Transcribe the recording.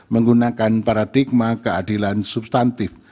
menggunakan paradigma keadilan substantif